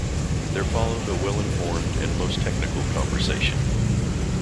There followed a well-informed and most technical conversation.